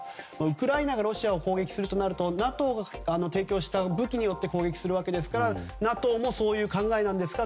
ウクライナがロシアを攻撃するとなるとＮＡＴＯが提供した武器によって攻撃するわけですからＮＡＴＯもそういう考えなんですか？